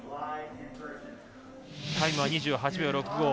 タイムは２８秒６５。